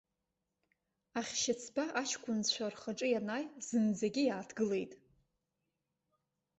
Ахьшьыцба аҷкәынцәа рхаҿы ианааи зынӡагьы иааҭгылеит.